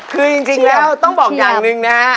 คือจริงแล้วต้องบอกอย่างหนึ่งนะฮะ